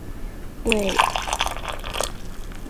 后为蜀公孙述属下。